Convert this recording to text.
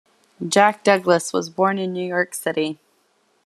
Jack Douglas was born in New York City.